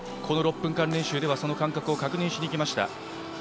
この６分間練習では、その感覚を確認しにまいりました。